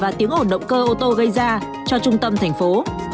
và tiếng ồn động cơ ô tô gây ra cho trung tâm thành phố